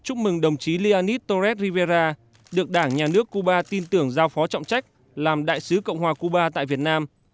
chúc mừng đồng chí lianis torres rivera được đảng nhà nước cuba tin tưởng giao phó trọng trách làm đại sứ cộng hòa cuba tại việt nam